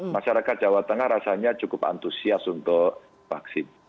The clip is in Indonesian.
masyarakat jawa tengah rasanya cukup antusias untuk vaksin